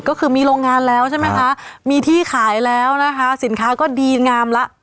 ก็คือมีโรงงานแล้วใช่ไหมคะมีที่ขายแล้วนะคะสินค้าก็ดีงามละ